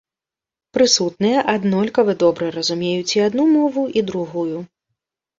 Прысутныя аднолькава добра разумець і адну мову, і другую.